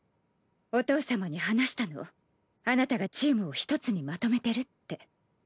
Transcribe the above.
お父様に話したのあなたがチームを一つにまとめてるって。